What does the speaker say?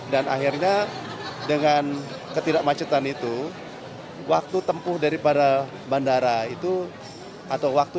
dan akhirnya dengan ketidakmacetan itu waktu tempuh dari bandara itu